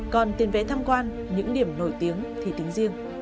còn tiền vé tham quan những điểm nổi tiếng thì tính riêng